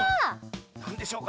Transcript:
なんでしょうか。